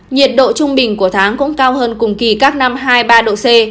nhiệt độ trung bình của tháng cũng cao hơn cùng kỳ các năm hai mươi ba độ c